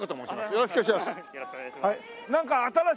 よろしくお願いします。